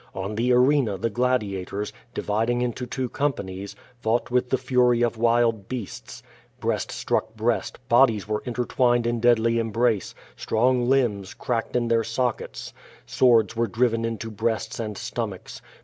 On the arena the gladiators, dividing into two companies, fought with the fury of wild beasts. IJrcast struck breast, bodies were inter twined in deadly embrace, strong limbs cracked in their sock ets. Swords were driven into breasts and stomachs.